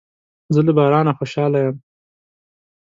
زه له بارانه خوشاله یم.